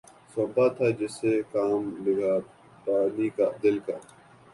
سونپا تھا جسے کام نگہبانئ دل کا